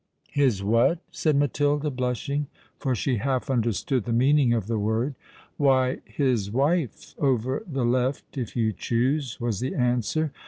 "His what?" said Matilda, blushing—for she half understood the meaning of the word. "Why—his wife, over the left, if you choose," was the answer.